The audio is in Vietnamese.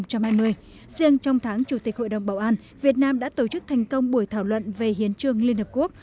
riêng trong tháng chủ tịch hội đồng bảo an việt nam đã tổ chức thành công buổi thảo luận về hiến trương liên hợp quốc